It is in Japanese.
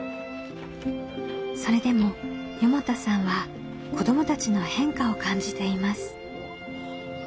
それでも四方田さんは子どもたちの変化を感じています。